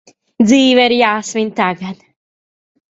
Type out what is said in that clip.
Dzīve ir jāsvin tagad!